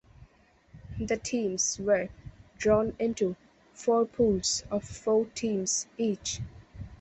The teams were drawn into four pools of four teams each.